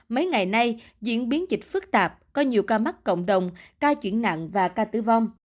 mấy ngày nay diễn biến dịch phức tạp có nhiều ca mắc cộng đồng ca chuyển nặng và ca tử vong